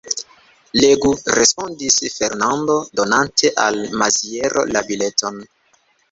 Legu, respondis Fernando, donante al Maziero la bileton.